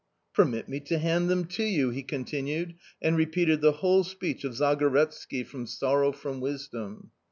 " Permit me to hand them to you !" he continued, and repeated the whole speech of Zagoryetsky from "Sorrow from Wisdom."